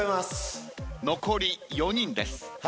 残り４人です。